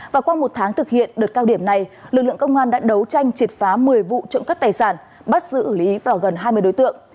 và qua một tháng thực hiện đợt cao điểm này lực lượng công an đã đấu tranh triệt phá một mươi vụ trộm cắp tài sản bắt giữ lý và gần hai mươi đối tượng